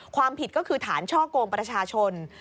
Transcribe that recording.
ความผิดก็คือฐานช่อกงประชาชน